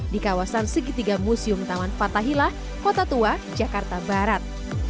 di kawasan segitiga museum taman fathahilah kota tua jakarta barat